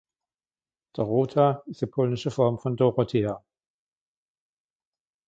Dorota ist die polnische Form von Dorothea.